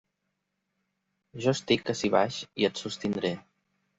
Jo estic ací baix i et sostindré.